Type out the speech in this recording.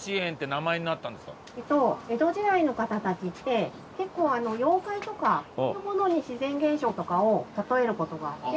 江戸時代の方たちって結構妖怪とかそういうものに自然現象とかを例える事があって。